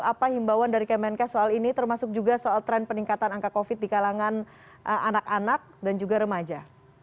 apa himbauan dari kmnk soal ini termasuk juga soal tren peningkatan angka covid sembilan belas di kalangan anak anak dan juga remaja